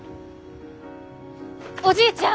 おじいちゃん！